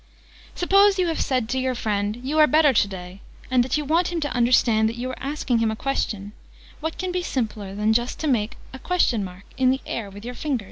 Suppose you have said to your friend "You are better to day," and that you want him to understand that you are asking him a question, what can be simpler than just to make a "?". in the air with your finger?